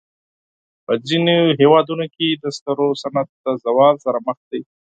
په ځینو هېوادونو کې د سکرو صنعت د زوال سره مخ دی.